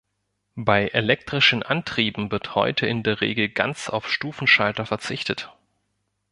Bei elektrischen Antrieben wird heute in der Regel ganz auf Stufenschalter verzichtet.